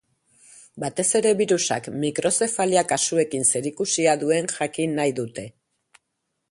Batez ere, birusak mikrozefalia kasuekin zerikusia duen jakin nahi dute.